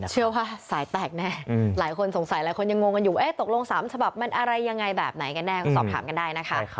เชื่อว่าสายแตกแน่หลายคนสงสัยหลายคนยังงงกันอยู่ตกลง๓ฉบับมันอะไรยังไงแบบไหนกันแน่ก็สอบถามกันได้นะคะ